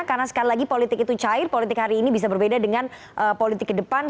karena sekali lagi politik itu cair politik hari ini bisa berbeda dengan politik ke depan